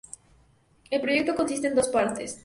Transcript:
El proyecto consiste en dos partes.